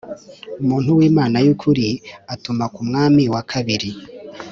Umuntu w Imana y ukuri atuma ku mwami wa kabiri